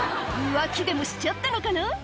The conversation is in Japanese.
浮気でもしちゃったのかな？